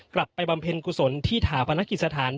กลับไปบำเพ็ญกุศลที่ถาพนักกิจสถาน